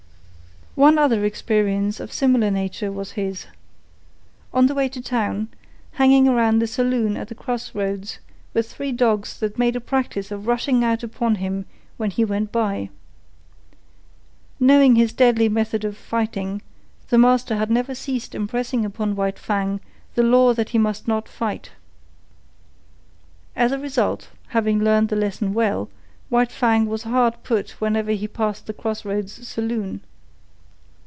One other experience of similar nature was his. On the way to town, hanging around the saloon at the cross roads, were three dogs that made a practice of rushing out upon him when he went by. Knowing his deadly method of fighting, the master had never ceased impressing upon White Fang the law that he must not fight. As a result, having learned the lesson well, White Fang was hard put whenever he passed the cross roads saloon.